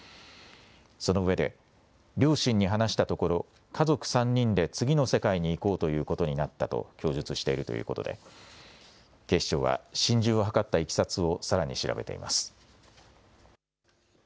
その上で、両親に話したところ、家族３人で次の世界に行こうということになったと供述しているということで、警視庁は心中を図ったいきさつをさらに調べています。